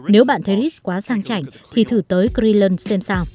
nếu bạn thấy ritz quá sang trảnh thì thử tới crelan xem sao